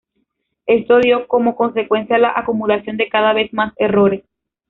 Esto dio como consecuencia la acumulación de cada vez más errores.